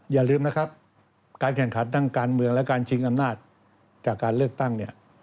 อย่าลืมนะครับการแข่งขันทางการเมืองและการชิงอำนาจจากการเลือกตั้งเนี่ย